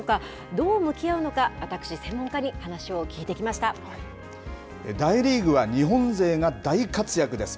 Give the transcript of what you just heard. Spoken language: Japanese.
どう向き合うのか、私、専門家に大リーグは日本勢が大活躍です。